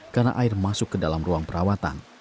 karena air masuk ke dalam ruang perawatan